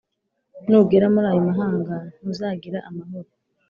Nugera muri ayo mahanga, ntuzagira amahoro